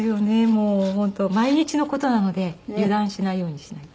もう本当毎日の事なので油断しないようにしないと。